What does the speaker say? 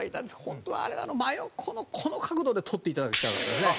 本当はあれ真横のこの角度で撮っていただきたかったですね。